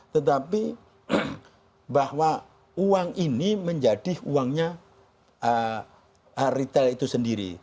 tetapi bahwa uang ini menjadi uangnya retail itu sendiri